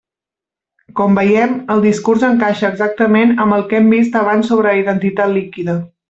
Com veiem, el discurs encaixa exactament amb el que hem vist abans sobre la identitat líquida.